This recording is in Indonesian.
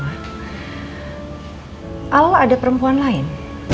bukan yang dir toolkit